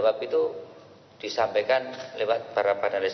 sebab itu disampaikan lewat para panelis